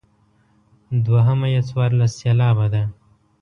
دوهمه یې څوارلس سېلابه ده.